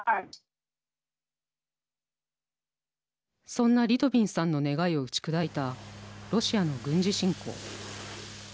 そんなリトビンさんの願いを打ち砕いたロシアの軍事侵攻。